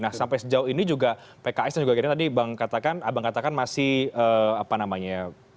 nah sampai sejauh ini juga pks dan juga gerindra tadi abang katakan masih apa namanya